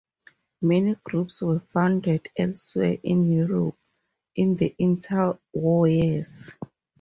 Many groups were founded elsewhere in Europe in the inter-war years.